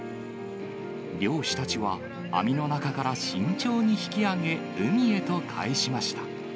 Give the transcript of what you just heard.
漁師たちは、網の中から慎重に引き上げ、海へと帰しました。